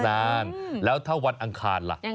นานแล้วถ้าวันอังคารล่ะ